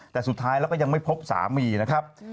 แต่สุดท้ายแล้วก็ยังไม่พบสามีนะครับ